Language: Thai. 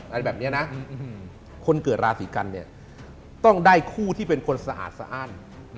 อะไรแบบนี้นะคนเกิดราศีกันเนี่ยต้องได้คู่ที่เป็นคนสะอาดสะอ้าน